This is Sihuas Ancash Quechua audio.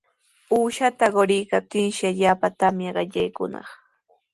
Uqshata quriykaptinshi allaapa tamya qallaykunaq.